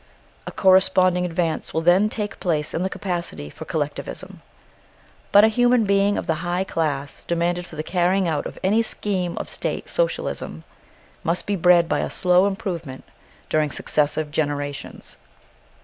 A corresponding advance will then take place in the capacity for collectivism. But a human being of the high class demanded for the carrying out of any scheme of State socialism must be bred by a slow improvement during successive generations.